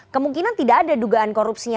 kemungkinan tidak ada dugaan korupsinya